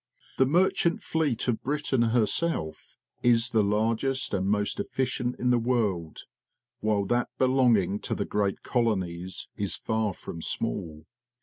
The merchant fleet of Britain herself is the largest and most efficient in the world, while that belonging to the great colonies is far from small.